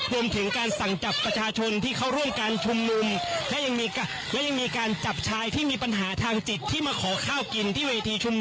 รวมถึงการสั่งจับประชาชนที่เข